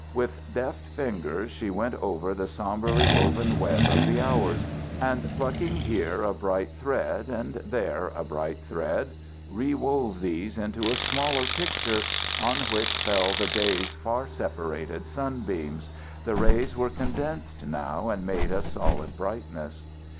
With deft fingers she went over the somberly woven web of the hours, and plucking here a bright thread and there a bright thread, rewove these into a smaller picture, on which fell the day's far separated sunbeams; the rays were condensed now and made a solid brightness.